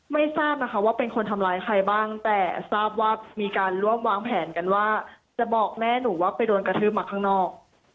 ไม่ทราบนะคะว่าเป็นคนทำร้ายใครบ้างแต่ทราบว่ามีการรวบวางแผนกันว่าจะบอกแม่หนูว่าไปโดนกระทืบมาข้างนอก